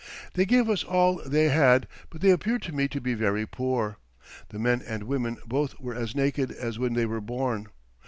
They gave us all they had, but they appeared to me to be very poor. The men and women both were as naked as when they were born.